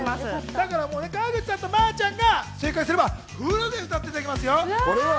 川口さんとまーちゃんが正解すればフルで歌っていただけますよ。